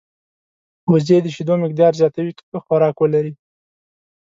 وزې د شیدو مقدار زیاتوي که ښه خوراک ولري